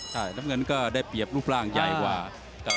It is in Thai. ใช่น้ำเงินก็ได้เปรียบรูปร่างใหญ่กว่า